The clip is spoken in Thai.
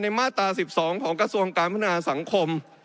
มาตรา๑๒ของกระทรวงการพัฒนาสังคม